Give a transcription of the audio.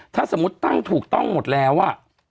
ถ้าสมมุติตั้งถูกต้องหมดแล้วอ่ะ